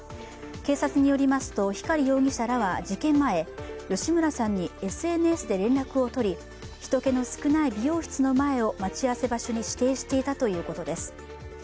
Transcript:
警察によりますと、光容疑者らは事件前、吉村さんにＳＮＳで連絡を取り、人けの少ない美容室の前を待ち合わせ場所に指定していたということです。